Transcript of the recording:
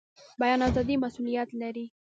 بیان ازادي مسوولیت لري